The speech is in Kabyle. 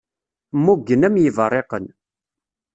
Mmugen am yiberriqen.